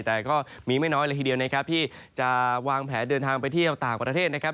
แต่ก็มีไม่น้อยเลยทีเดียวนะครับที่จะวางแผนเดินทางไปเที่ยวต่างประเทศนะครับ